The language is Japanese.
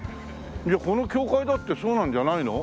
じゃあこの教会だってそうなんじゃないの？